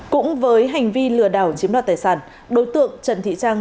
cũng với hành vi lừa đảo chiếm đoạt tài sản đối tượng trần thị trang